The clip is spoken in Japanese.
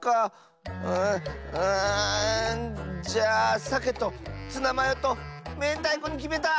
じゃあさけとツナマヨとめんたいこにきめた！